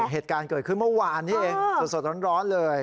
เหตุการณ์เกิดขึ้นเมื่อวานนี้เองสดร้อนเลย